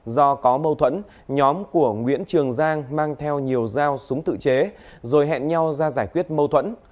do có mâu thuẫn nhóm của nguyễn trường giang mang theo nhiều dao súng tự chế rồi hẹn nhau ra giải quyết mâu thuẫn